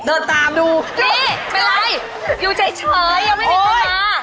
เดินตามดูนี่เป็นไรอยู่เฉยยังไม่มีเวลา